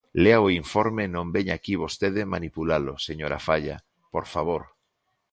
Lea o informe e non veña aquí vostede manipulalo, señora Faia, por favor.